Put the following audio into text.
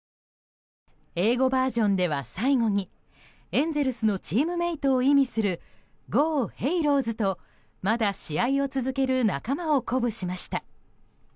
英語バージョンでは、最後にエンゼルスのチームメートを意味する「ＧｏＨａｌｏｓ！！」とまだ試合を続ける仲間を鼓舞しました。